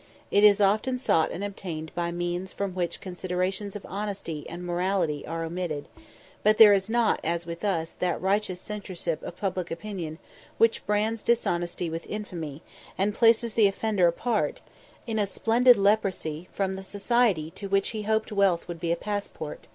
It is often sought and obtained by means from which considerations of honesty and morality are omitted; but there is not, as with us, that righteous censorship of public opinion which brands dishonesty with infamy, and places the offender apart, in a splendid leprosy, from the society to which he hoped wealth would be a passport.